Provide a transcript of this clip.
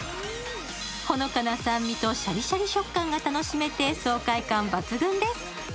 ほのかな酸味とシャリシャリ食感が楽しめて、爽快感抜群です。